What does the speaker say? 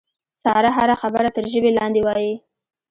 ساره هره خبره تر ژبې لاندې وایي.